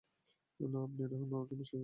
না আপনি রেহান এর জন্য বিশ্বাসযোগ্য।